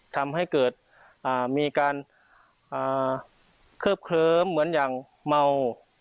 ทำให้เกิดมีการเคิบเคลิ้มเหมือนอย่างเมา